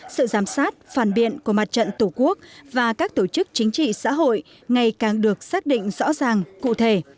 sự giám sát phản biện của mặt trận tổ quốc và các tổ chức chính trị xã hội ngày càng được xác định rõ ràng cụ thể